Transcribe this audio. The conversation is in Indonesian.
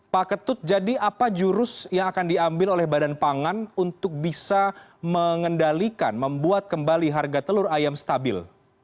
pak ketut jadi apa jurus yang akan diambil oleh badan pangan untuk bisa mengendalikan membuat kembali harga telur ayam stabil